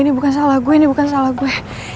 ini bukan salah gue ini bukan salah gue